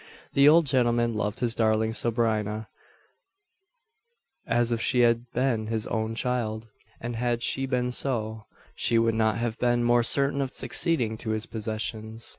The old gentleman loved his darling sobrina, as if she had been his own child; and had she been so, she would not have been more certain of succeeding to his possessions.